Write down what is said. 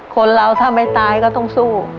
คนเราถ้าไม่ตายก็ต้องสู้